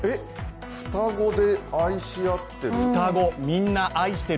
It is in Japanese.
双子で、愛し合っている。